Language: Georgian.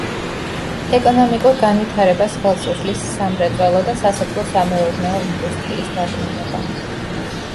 ეკონომიკურ განვითარებას ხელს უშლის სამრეწველო და სასოფლო-სამეურნეო ინდუსტრიის დაკნინება.